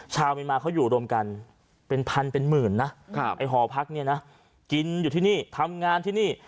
ชาวเมียนมาเขาอยู่รวมกันเป็นพันเป็นหมื่นนะไอ้หอพักเนี่ยนะกินอยู่ที่นี่ทำงานที่นี่